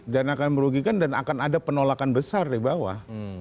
akan merugikan dan akan ada penolakan besar di bawah